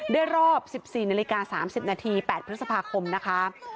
รอบ๑๔นาฬิกา๓๐นาที๘พฤษภาคมนะคะ